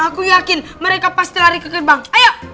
aku yakin mereka pasti lari ke gerbang ayo